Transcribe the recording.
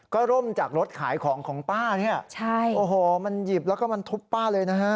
ก็ร่มจากรถขายของของป้าเนี่ยใช่โอ้โหมันหยิบแล้วก็มันทุบป้าเลยนะฮะ